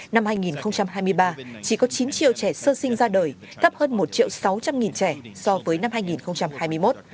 năm hai nghìn hai mươi ba chỉ có chín triệu trẻ sơ sinh ra đời tấp hơn một triệu sáu trăm linh trẻ so với năm hai nghìn hai mươi một